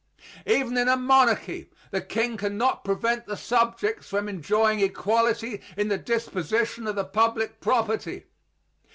Even in a monarchy the king can not prevent the subjects from enjoying equality in the disposition of the public property.